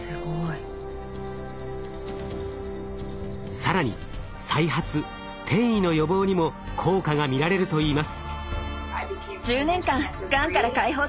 更に再発・転移の予防にも効果が見られるといいます。